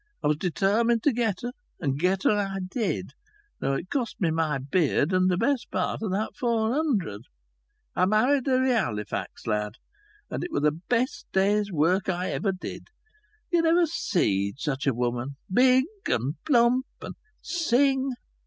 I was determined to get her, and get her I did, though it cost me my beard, and the best part o' that four hundred. I married her i' Halifax, lad, and it were the best day's work I ever did. You never seed such a woman. Big and plump and sing!